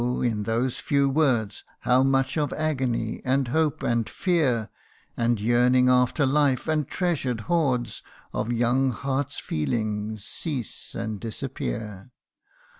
in those few words How much of agony, and hope, and fear, And yearnings after life, and treasured hoards Of young hearts' feelings, cease and disappear